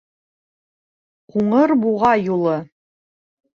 Ҡуңыр буға юлы...